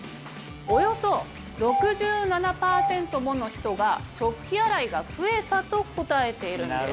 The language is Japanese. およそ６７％もの人が食器洗いが増えたと答えているんです。